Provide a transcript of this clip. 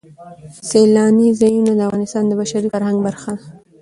سیلانی ځایونه د افغانستان د بشري فرهنګ برخه ده.